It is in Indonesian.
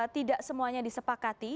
tidak semuanya disepakati